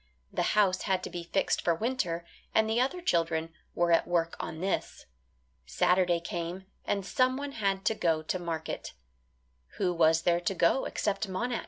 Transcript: The house had to be fixed for winter, and the other children were at work on this. Saturday came and someone had to go to market. Who was there to go except Monax?